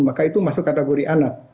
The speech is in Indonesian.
maka itu masuk kategori anak